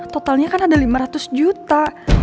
totalnya kan ada lima ratus juta